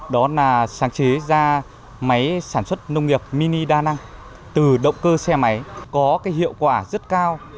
đó là sáng chế ra máy sản xuất nông nghiệp mini đa năng từ động cơ xe máy có cái hiệu quả rất cao